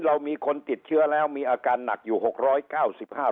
เรามีคนติดเชื้อแล้วมีอาการหนักอยู่หกร้อยเก้าสิบห้า